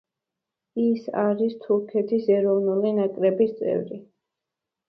ის არის თურქეთის ეროვნული ნაკრების წევრი.